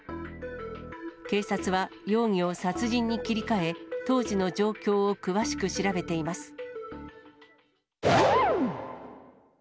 警察は、容疑を殺人に切り替え、当時の状況を詳しく調べています。